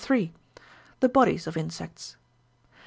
THE BODIES OF INSECTS.